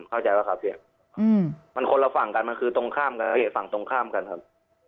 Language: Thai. เข้าใจว่าครับพี่มันคนละฝั่งกันมันคือตรงข้ามกันครับ